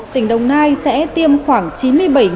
tỉnh đồng nai sẽ tiêm khoảng chín mươi bảy liều vaccine